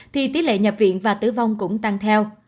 thì tỷ lệ nhập viện và tử vong cũng tăng theo